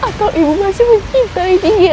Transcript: atau ibu masih mencintai